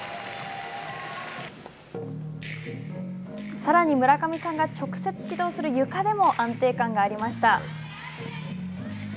さらに村上さんが直接指導するゆかでも安定感がありました。